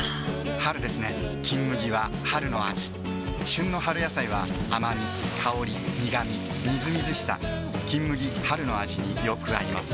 春ですね「金麦」は春の味旬の春野菜は甘み香り苦みみずみずしさ「金麦」春の味によく合います